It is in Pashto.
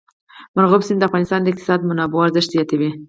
مورغاب سیند د افغانستان د اقتصادي منابعو ارزښت زیاتوي.